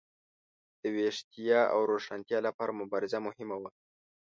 د ویښتیا او روښانتیا لپاره مبارزه مهمه وه.